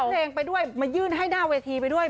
เพลงไปด้วยมายื่นให้หน้าเวทีไปด้วย